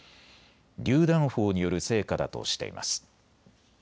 りゅう弾砲による成果だとしています。